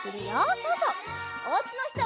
そうそう。